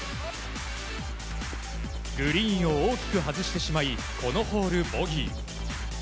グリーンを大きく外してしまいこのホール、ボギー。